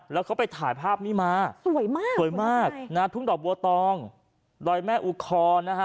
แล้วเขาไปถ่ายภาพนี้มาสวยมากสวยมากนะฮะทุ่งดอกบัวตองดอยแม่อุคอนะฮะ